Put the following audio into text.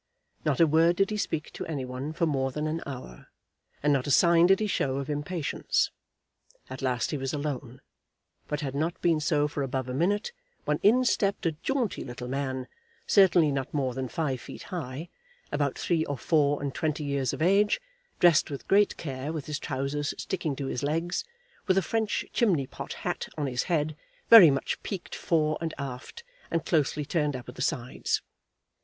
Not a word did he speak to any one for more than an hour, and not a sign did he show of impatience. At last he was alone; but had not been so for above a minute when in stepped a jaunty little man, certainly not more than five feet high, about three or four and twenty years of age, dressed with great care, with his trousers sticking to his legs, with a French chimney pot hat on his head, very much peaked fore and aft and closely turned up at the sides.